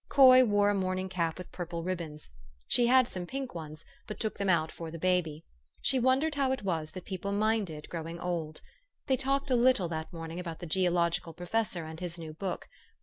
Coy wore a morning cap with purple rib bons. She had some pink ones, but took them out for the baby : she wondered how it was that people minded growing old. They talked a little that morning about the geological professor and his new book.